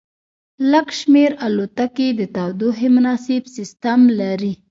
لږ شمیر الوتکې د تودوخې مناسب سیستم لري